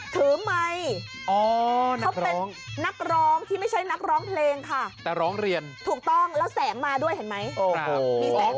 ถือไมค์เขาเป็นนักร้องที่ไม่ใช่นักร้องเพลงค่ะถูกต้องแล้วแสงมาด้วยเห็นไหมมีแสงไหม